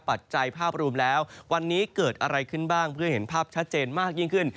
จัจจัยภาพรวมแล้ววันนี้เกิดอะไรขึ้นบ้างเพื่อเห็นภาพชัดเจนมากยิ่งขึ้น